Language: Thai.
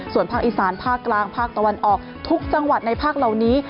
ส่วนภาคอีสานภาคกลางภาคตะวันออกทุกจังหวัดในภาคเหล่านี้